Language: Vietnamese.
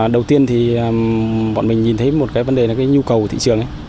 đầu tiên thì bọn mình nhìn thấy một cái vấn đề là cái nhu cầu của thị trường ấy